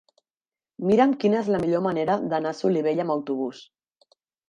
Mira'm quina és la millor manera d'anar a Solivella amb autobús.